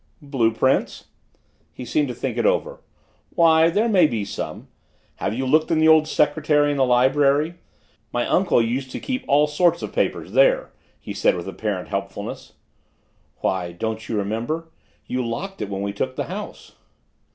"Blue prints?" He seemed to think it over. "Why there may be some. Have you looked in the old secretary in the library? My uncle used to keep all sorts of papers there," he said with apparent helpfulness. "Why, don't you remember you locked it when we took the house."